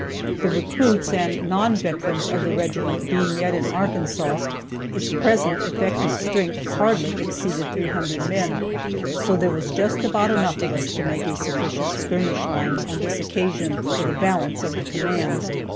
The recruits and non veterans of the regiment being yet in Arkansas, its present effective strength hardly exceeded three hundred men, so there was just about enough of us to make a sufficient skirmish line, on this occasion, for the balance of the command.